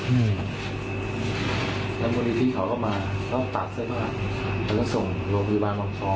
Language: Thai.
อืมแล้วบริธีเขาก็มาตัดเส้นภาพแล้วก็ส่งโรงพยาบาลมาพร้อม